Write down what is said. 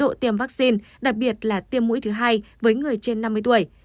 tiếp tục tiêm vaccine đặc biệt là tiêm mũi thứ hai với người trên năm mươi tuổi